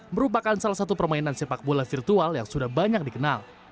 merupakan salah satu permainan sepak bola virtual yang sudah banyak dikenal